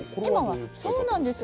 そうなんです